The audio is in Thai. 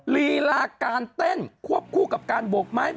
ลีลาการเต้นควบคู่กับการบกไม้